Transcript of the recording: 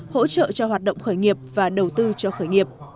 hỗ trợ cho hoạt động khởi nghiệp và đầu tư cho khởi nghiệp